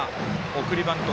送りバント